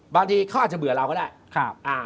บางทีเขาอาจจะเบื่อเราก็ได้